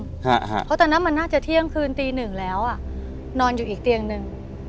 เพราะตอนนั้นมันน่าจะเที่ยงคืนตีหนึ่งแล้วอ่ะนอนอยู่อีกเตียงหนึ่ง